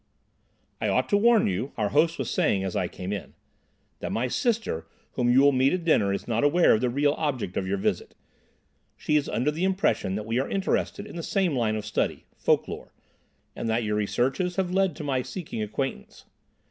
"I ought to warn you," our host was saying as I came in, "that my sister, whom you will meet at dinner, is not aware of the real object of your visit. She is under the impression that we are interested in the same line of study—folklore—and that your researches have led to my seeking acquaintance.